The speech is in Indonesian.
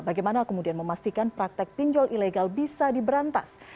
bagaimana kemudian memastikan praktek pinjol ilegal bisa diberantas